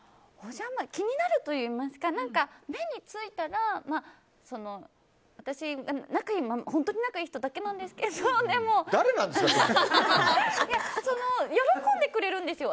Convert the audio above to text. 気になるというか目についたら私、本当に仲いい人だけなんですけど喜んでくれるんですよ。